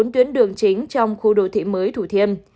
bốn tuyến đường chính trong khu đồ thị mới thủ thiên